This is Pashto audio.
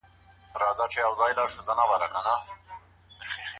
که ته شکر وباسې نو زما زړه به ډېر خوشاله سي.